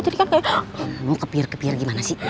jadi kan kayak mau kepir kepir gimana sih